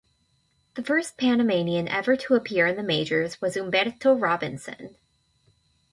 The first Panamanian ever to appear in the Majors was Humberto Robinson.